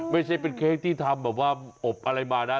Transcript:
ไม่ใช่เป็นเค้กที่ทำแบบว่าอบอะไรมานะ